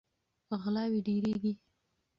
غلاوې ډیریږي.